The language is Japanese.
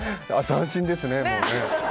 斬新ですね。